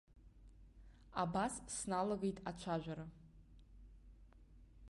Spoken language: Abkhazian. Абас сналагеит ацәажәара.